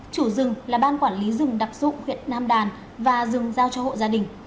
chủ rừng là ban quản lý rừng đặc dụng huyện nam đàn và rừng giao cho hộ gia đình